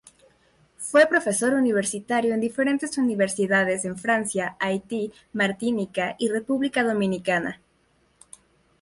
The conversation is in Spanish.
Fue profesor universitario en diferentes universidades en Francia, Haití, Martinica y República Dominicana.